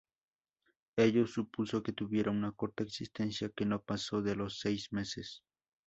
Ello supuso que tuviera una corta existencia que no pasó de los seis meses.